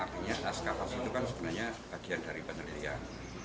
artinya eskalasi itu kan sebenarnya bagian dari penelitian